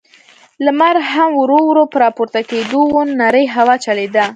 لمر هم ورو، ورو په راپورته کېدو و، نرۍ هوا چلېده.